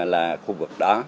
là khu vực đó